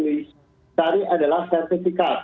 yang disari adalah sertifikat